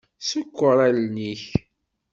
Ṣekkeṛ allen-ik.